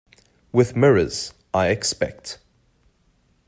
With mirrors, I expect.